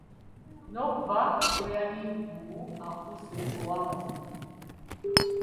N'okuva lwe yali mbu afuuse owaamazima.